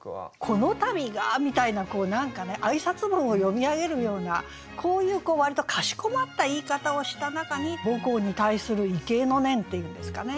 「このたびが」みたいなこう何かね挨拶文を読み上げるようなこういう割とかしこまった言い方をした中に母校に対する畏敬の念っていうんですかね。